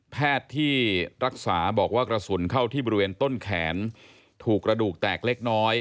แพทย์ที่รักษาบอกว่ากระสุนเข้าที่บริเวณต้นแขนถูกกระดูกแตกเล็กน้อย